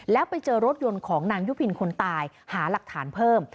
แล้วไปเจอรถยนต์ของนางยุพินคนตายหาหลักฐานเพิ่ม